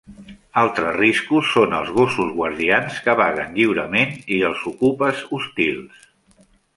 Altres riscos són els gossos guardians que vaguen lliurement i els ocupes hostils.